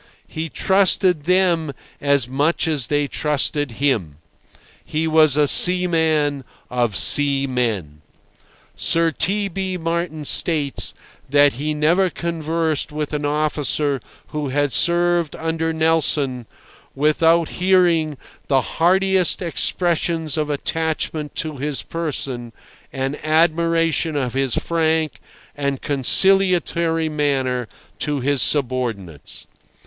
He trusted them as much as they trusted him. He was a seaman of seamen. Sir T. B. Martin states that he never conversed with any officer who had served under Nelson "without hearing the heartiest expressions of attachment to his person and admiration of his frank and conciliatory manner to his subordinates."